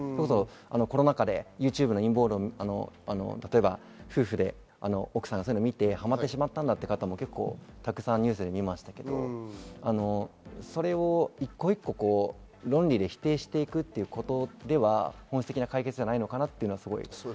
コロナ禍でＹｏｕＴｕｂｅの陰謀論、例えば夫婦で奥さんが見てはまってしまったという方もたくさん見ましたけど、それを論理で否定していくということでは本質的な解決じゃないのかなと。